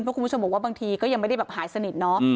เพราะคุณผู้ชมบอกว่าบางทีก็ยังไม่ได้แบบหายสนิทเนาะ